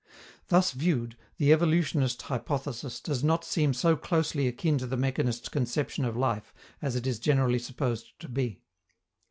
Thus viewed, the evolutionist hypothesis does not seem so closely akin to the mechanistic conception of life as it is generally supposed to be.